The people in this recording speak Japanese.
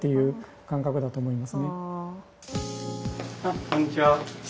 あっこんにちは。